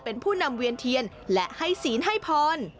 เป็นผู้นำเวียนเทียนและให้ศีลให้พร